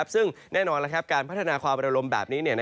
ซึ่งแน่นอนการพัฒนาความระลมแบบนี้